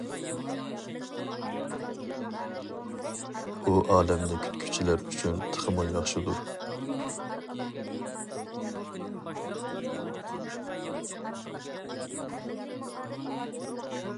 ئۇ ئالەمنى كۈتكۈچىلەر ئۈچۈن تېخىمۇ ياخشىدۇر.